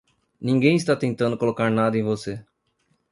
Ninguém está tentando colocar nada em você.